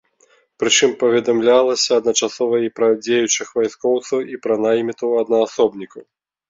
Прычым паведамлялася адначасова і пра дзеючых вайскоўцаў, і пра наймітаў-аднаасобнікаў.